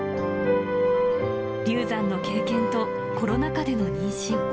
流産の経験とコロナ禍での妊娠。